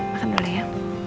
makan dulu ya